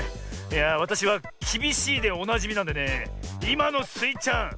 いやあわたしはきびしいでおなじみなんでねいまのスイちゃん